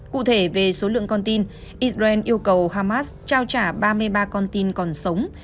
cụ thể về số lượng con tin israel yêu cầu hamas trao trả ba mươi ba con tin còn sống